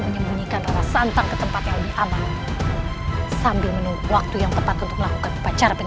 menyembunyikan rara santang ketempat yang lebih aman sambil menunggu waktu yang tersebut melakukan